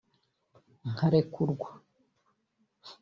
nkarekurwa